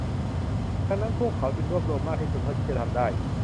ดังนั้นพวกเขาจึงรวบรวมมากที่สุดเท่าที่จะทำได้